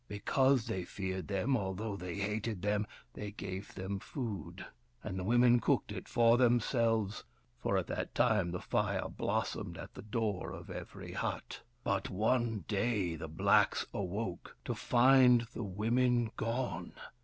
Because they feared them, although they hated them, they gave them food, and the women cooked it for themselves, for at that time the fire blossomed at the door of every hut. But one day, the blacks awoke to find the women gone.